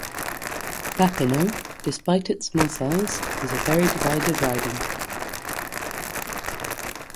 Papineau, despite its small size, is a very divided riding.